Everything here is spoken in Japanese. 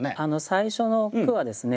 最初の句はですね